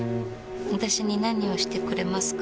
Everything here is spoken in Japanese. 私に何をしてくれますか？